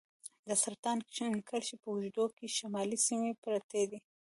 د سرطان کرښې په اوږدو کې شمالي سیمې پرتې دي.